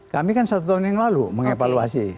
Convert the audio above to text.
kami kan satu tahun yang lalu mengevaluasi